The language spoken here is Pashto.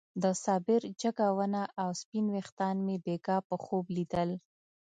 د صابر جګه ونه او سپين ويښتان مې بېګاه په خوب ليدل.